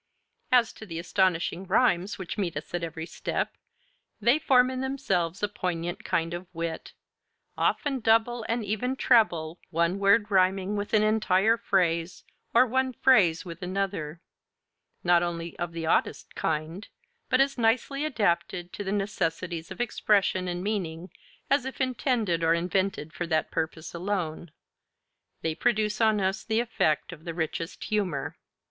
As to the astonishing rhymes which meet us at every step, they form in themselves a poignant kind of wit; often double and even treble, one word rhyming with an entire phrase or one phrase with another, not only of the oddest kind, but as nicely adapted to the necessities of expression and meaning as if intended or invented for that purpose alone, they produce on us the effect of the richest humor.